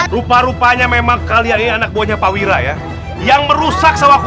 rupa rupanya memang kalian ini anak buahnya pak wira ya yang merusak sawah